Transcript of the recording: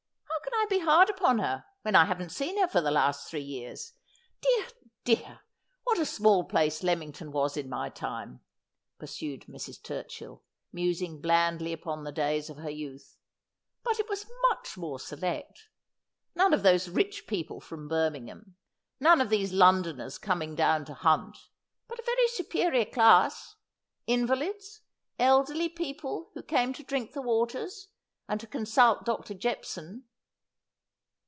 ' How can I be hard upon her, when I haven't seen her for the last three years ! Dear, dear, what a small place Leaming ton was in my time,' pursued Mrs. Turcbill, musing blandly upon the days of her youth ;' but it was much more select. None of these rich people from Birmingham ; none of these Londoners coming down to hunt ; but a very superior class — invalids, elderly people who came to drink the waters, and to consult Doctor Jephson.'